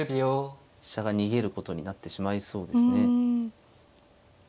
飛車が逃げることになってしまいそうですね。